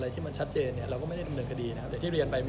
เราก็พยายามอ่าทำอย่างรอบครอบระมัดระวังที่สุดนะครับ